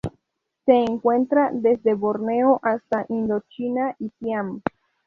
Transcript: Se encuentra desde Borneo hasta Indochina y Siam.